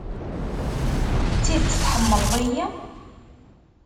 D tidet tḥemmleḍ-iyi?